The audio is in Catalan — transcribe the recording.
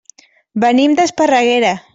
Venim d'Esparreguera.